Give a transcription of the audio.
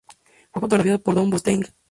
Fue fotografiada por Don Bronstein.